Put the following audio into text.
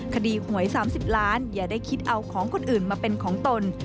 คดีหวย๓๐ล้านอย่าได้คิดเอาของคนอื่นมาเป็นของตน